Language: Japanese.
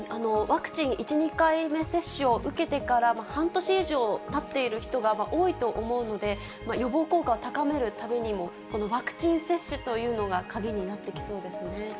ワクチン、１、２回目接種を受けてから半年以上、たっている人が多いと思うので、予防効果を高めるためにも、このワクチン接種というのが鍵になってきそうですね。